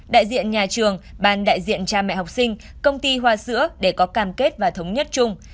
đại diện nhà trường ban đại diện cha mẹ học sinh công ty hoa sữa để có cam kết và thống nhất chung